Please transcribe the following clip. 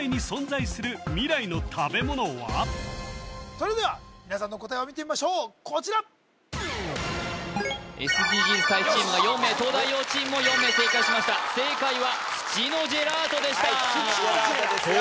それでは皆さんの答えを見てみましょうこちらＳＤＧｓ大使チームが４名東大王チームも４名正解しました正解は土のジェラートでしたはい土のジェラートですよ